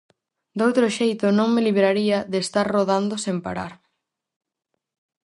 Doutro xeito non me libraría de estar rodando sen parar.